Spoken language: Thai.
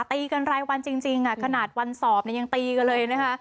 ตีกันรายวันจริงขนาดวันสอบเนี่ยยังตีกันเลยนะคะ